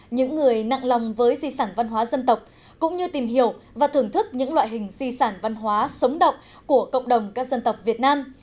những người nặng lòng với di sản văn hóa dân tộc cũng như tìm hiểu và thưởng thức những loại hình di sản văn hóa sống động của cộng đồng các dân tộc việt nam